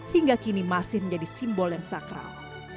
hingga kini masih menjadi simbol yang sakral